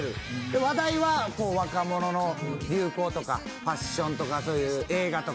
話題は若者の流行とかファッションとかはやってる映画とか